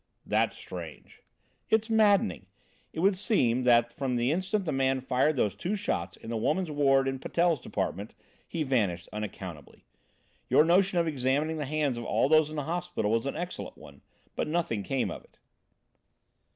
"That's strange.". "It is maddening. It would seem that from the instant the man fired those two shots in the woman's ward in Patel's department he vanished, unaccountably. Your notion of examining the hands of all those in the hospital was an excellent one, but nothing came of it.